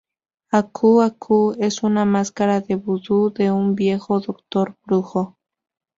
Aku Aku es una máscara de vudú de un viejo doctor brujo.